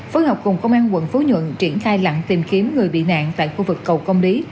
phối hợp cùng công an quận phú nhuận triển khai lặn tìm kiếm người bị nạn tại khu vực cầu công lý